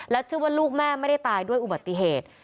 เชื่อว่าลูกแม่ไม่ได้ตายด้วยอุบัติเหตุ